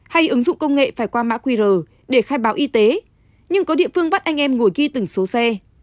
hay ứng dụng công nghệ phải qua mã qr để khai báo y tế nhưng có địa phương bắt anh em ngồi ghi từng số xe